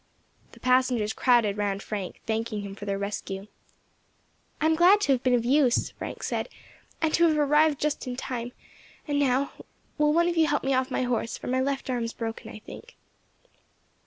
The passengers crowded round Frank, thanking him for their rescue. "I am glad to have been of use," Frank said, "and to have arrived just in time; and now will one of you help me off my horse, for my left arm is broken, I think."